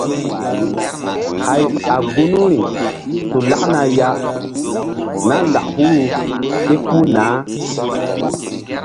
Hay a gunuri su lakna ya na lak huru ké puh nah.